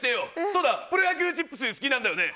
そうだ、プロ野球チップス好きなんだよね？